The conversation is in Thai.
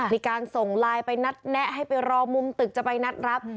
มีการส่งไลน์ไปนัดแนะให้ไปรอมุมตึกจะไปนัดรับ